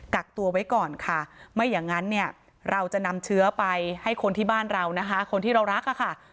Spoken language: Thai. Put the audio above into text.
กักตัวไว้ก่อนค่ะไม่อย่างนั้นเนี่ยเราจะนำเชื้อไปให้คนที่บ้านเรานะคะคนที่เรารักอะค่ะ